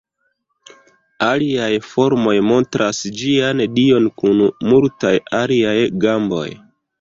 Aliaj formoj montras ĝian dion kun multaj aliaj gamboj.